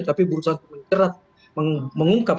tapi berusaha menjerat mengungkap